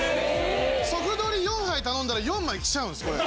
ソフドリ４杯頼んだら４枚きちゃうんですこれ。